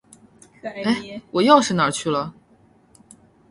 哎，我钥匙哪儿去了？